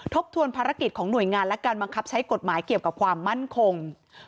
ทบทวนภารกิจของหน่วยงานและการบังคับใช้กฎหมายเกี่ยวกับความมั่นคง